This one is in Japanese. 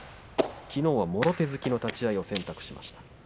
きのうはもろ手突きの立ち合いを選択しました。